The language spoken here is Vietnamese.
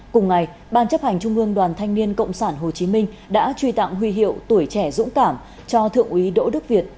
cùng ngày ban chấp hành trung ương đoàn thanh niên cộng sản hồ chí minh đã truy tặng huy hiệu tuổi trẻ dũng cảm cho thượng úy đỗ đức việt